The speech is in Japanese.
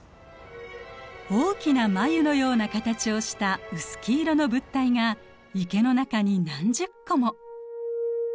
大きな繭のような形をした薄黄色の物体が池の中に何十個も。